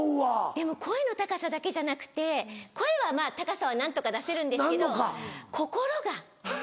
でも声の高さだけじゃなくて声は高さは何とか出せるんですけど心が。